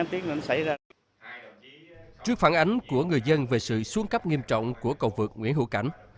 trước phản ánh của người dân về sự xuống cấp nghiêm trọng của cầu vượt nguyễn hữu cảnh